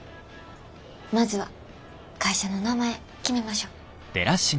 まずは会社の名前決めましょう。